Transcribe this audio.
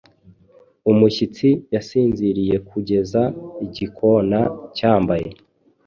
Umushyitsi yasinziriyekugeza igikona cyambaye